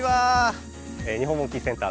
日本モンキーセンター